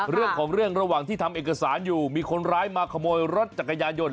เรื่องของเรื่องระหว่างที่ทำเอกสารอยู่มีคนร้ายมาขโมยรถจักรยานยนต์